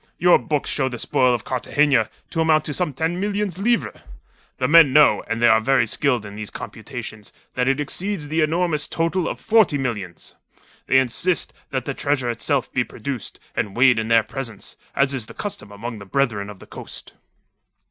Your books show the spoil of Cartagena to amount to some ten million livres. The men know and they are very skilled in these computations that it exceeds the enormous total of forty millions. They insist that the treasure itself be produced and weighed in their presence, as is the custom among the Brethren of the Coast."